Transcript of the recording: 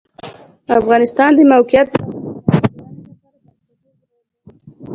د افغانستان د موقعیت د افغانستان د ټولنې لپاره بنسټيز رول لري.